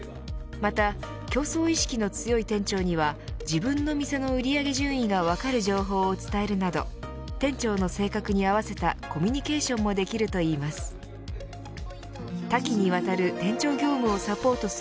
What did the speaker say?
また競争意識の強い店長には自分の店の売り上げ順位が分かる情報を伝えるなど店長の性格に合わせたコミュニケーションもできるといいます。